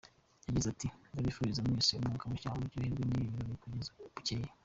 Yagize ati"Ndabifuriza mwese umwaka mushya , muryoherwe n’ibi birori kugeza bucyeye".